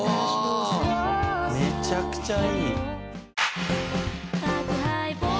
「めちゃくちゃいい」